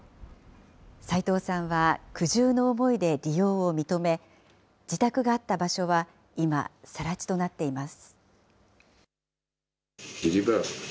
齊藤さんは苦渋の思いで利用を認め、自宅があった場所は今、さら地となっています。